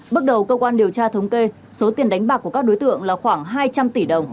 bước đầu cơ quan điều tra thống kê số tiền đánh bạc của các đối tượng là khoảng hai trăm linh tỷ đồng